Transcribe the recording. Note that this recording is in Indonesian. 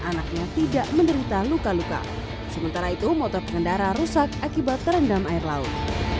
anaknya tidak menderita luka luka sementara itu motor pengendara rusak akibat terendam air laut